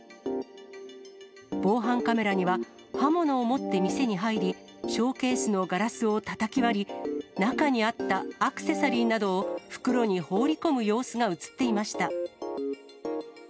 防犯カメラには、刃物を持って店に入り、ショーケースのガラスをたたき割り、中にあったアクセサリーなどを袋に放り込む様子が写っていました。